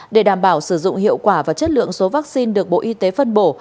để đảm bảo sử dụng hiệu quả và chất lượng số vaccine được bộ y tế phân bổ